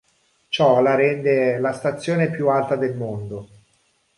Ciò la rende la stazione più alta del mondo.